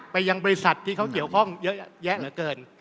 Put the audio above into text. ไปยังบริษัทที่เขาเกี่ยวข้องเยอะแยะเหลือเกิน